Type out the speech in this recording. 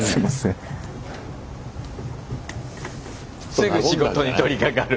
すぐ仕事に取りかかる。